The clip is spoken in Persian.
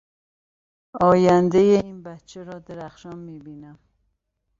آیندهٔ این بچه را درخشان میبینم.